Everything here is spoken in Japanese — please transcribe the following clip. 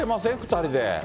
２人で。